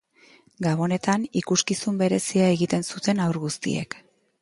Gabonetan ikuskizun berezia egiten zuten haur guztiek.